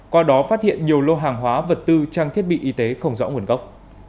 qua đó phát hiện nhiều lô hàng hóa vật tư trang thiết bị y tế không rõ nguồn gốc